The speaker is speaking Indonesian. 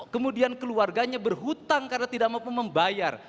kemudian keluarganya berhutang karena tidak mampu membayar